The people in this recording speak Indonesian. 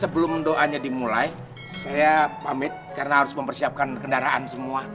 sebelum doanya dimulai saya pamit karena harus mempersiapkan kendaraan semua